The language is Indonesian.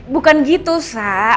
bukan gitu sa